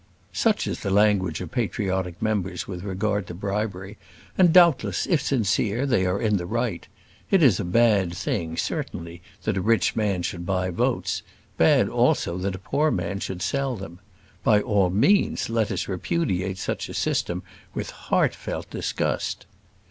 Such is the language of patriotic members with regard to bribery; and doubtless, if sincere, they are in the right. It is a bad thing, certainly, that a rich man should buy votes; bad also that a poor man should sell them. By all means let us repudiate such a system with heartfelt disgust.